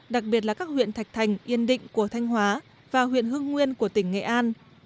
đặc biệt là các huyện thạch thành yên định của thanh hóa và huyện hương nguyên của tỉnh nghệ an